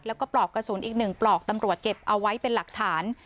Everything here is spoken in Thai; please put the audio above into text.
แล้วก็ปลอกกระสุนอีก๑ปลอกตำรวจเก็บเอาไว้เป็นหลักฐาน